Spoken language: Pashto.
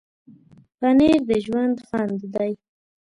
پنېر د ژوند خوند دی.